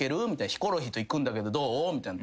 ヒコロヒーと行くんだけどどう？みたいな。